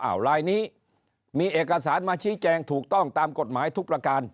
ลายนี้มีเอกสารมาชี้แจงถูกต้องตามกฎหมายทุกประการ